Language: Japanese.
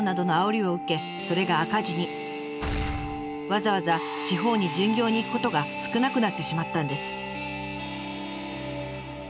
わざわざ地方に巡業に行くことが少なくなってしまったんです。